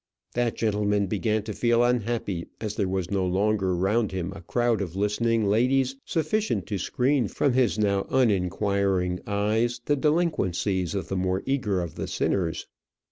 That gentleman began to feel unhappy as there was no longer round him a crowd of listening ladies sufficient to screen from his now uninquiring eyes the delinquencies of the more eager of the sinners.